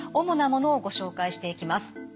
主なものをご紹介していきます。